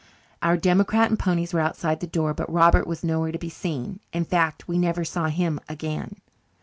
Our democrat and ponies were outside the door, but Robert was nowhere to be seen; in fact, we never saw him again.